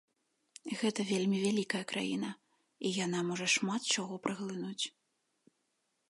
Гэта вельмі вялікая краіна, і яна можа шмат чаго праглынуць.